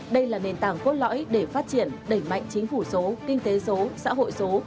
đây là nền tảng cốt lõi để phát triển đẩy mạnh chính phủ số kinh tế số xã hội số